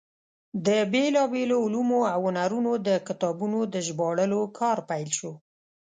د بېلابېلو علومو او هنرونو د کتابونو د ژباړلو کار پیل شو.